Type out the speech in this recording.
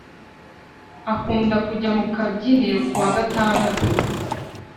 akunda kujya mukabyiniro kuwa gatandatu